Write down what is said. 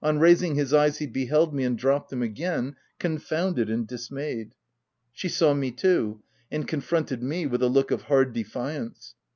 135 raising his eyes he beheld me and dropped them again, confounded and dismayed. She saw me too, and confronted me with a look of hard defiance.